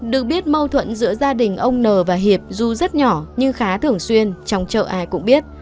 được biết mâu thuẫn giữa gia đình ông n và hiệp dù rất nhỏ nhưng khá thường xuyên trong chợ ai cũng biết